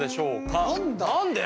何で？